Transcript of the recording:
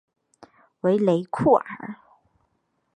维雷库尔。